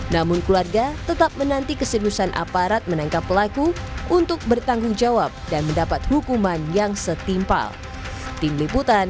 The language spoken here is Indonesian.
namun keluarga tetap menanti keseriusan aparat menangkap pelaku untuk bertanggung jawab dan mendapat hukuman yang setimpal